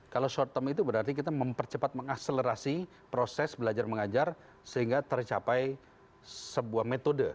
kalau short term itu berarti kita mempercepat mengakselerasi proses belajar mengajar sehingga tercapai sebuah metode